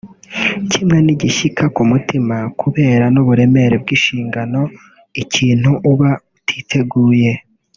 Kimwe ni igishyika ku mutima kubera n’uburemere bw’inshingano ikintu uba utiteguye